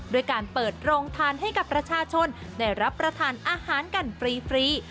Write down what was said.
ด้วยการเปิดโรงทานให้กับประชาชนได้รับประทานอาหารกันฟรี